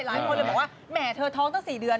หลายคนเลยบอกว่าแหมเธอท้องตั้ง๔เดือน